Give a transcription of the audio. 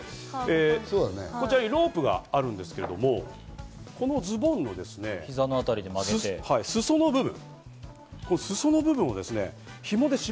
こちらにロープがあるんですけれども、このズボンのですね、裾の部分。